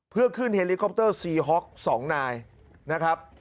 เพื่อขึ้นเฮลิคอปเตอร์ซีฮ็อก๒นายนะครับ